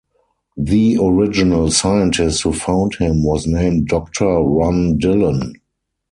The original scientist who found him was named Doctor Ron Dillon.